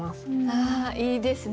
あいいですね